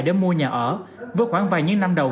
để mua nhà ở với khoảng vài những năm đầu